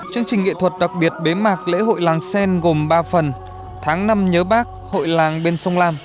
chương trình nghệ thuật đặc biệt bế mạc lễ hội làng sen gồm ba phần tháng năm nhớ bác hội làng bên sông lam